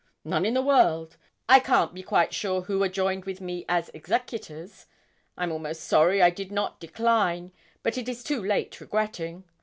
'None in the world. I can't be quite sure who are joined with me as executors. I'm almost sorry I did not decline; but it is too late regretting.